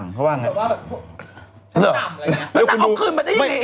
แล้วเอาคืนมานี่